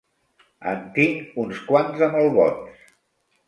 En tinc uns quants de molt bons.